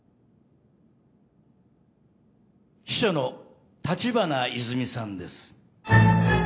秘書の立花泉さんです。